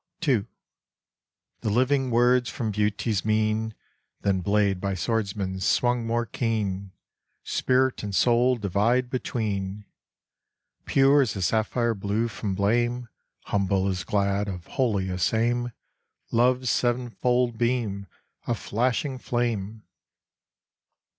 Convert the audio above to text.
II. The living words from Beauty's mien, Than blade by swordsman swung more keen, Spirit and soul divide between: "Pure as the sapphire blue from blame, Humble as glad, of holiest aim Love's seven fold beam a flashing flame!"